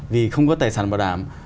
vì không có tài sản bảo đảm